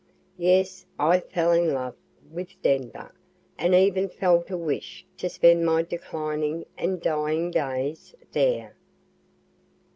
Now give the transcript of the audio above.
Yes, I fell in love with Denver, and even felt a wish to spend my declining and dying days there.